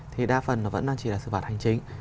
thì đa phần nó vẫn chỉ là xử phạt hành chính